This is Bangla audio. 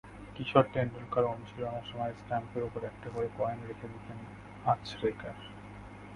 কিশোর টেন্ডুলকার অনুশীলনের সময় স্টাম্পের ওপর একটা করে কয়েন রেখে দিতেন আচরেকার।